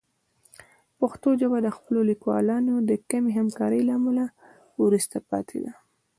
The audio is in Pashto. پښتو ژبه د خپلو لیکوالانو د کمې همکارۍ له امله وروسته پاتې ده.